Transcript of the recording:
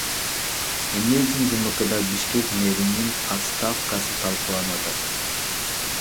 Эмне үчүн ЖМКда Бишкек мэринин отставкасы талкууланып атат?